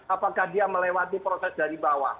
apakah dia melewati proses dari bawah